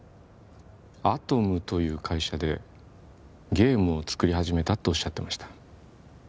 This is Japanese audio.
アトムという会社でゲームを作り始めたっておっしゃってました